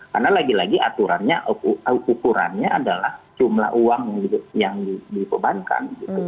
karena lagi lagi aturannya ukurannya adalah jumlah uang yang dibebankan